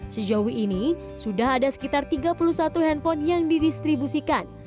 sejauh ini sudah ada sekitar tiga puluh satu handphone yang didistribusikan